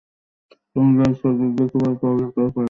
তুমি যদি সে দেশে যেতে পার তাহলে তাই কর।